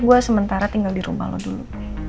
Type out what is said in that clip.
gue sementara tinggal di rumah lo dulu